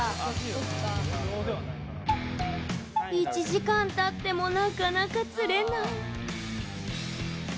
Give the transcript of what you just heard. １時間たってもなかなか釣れない。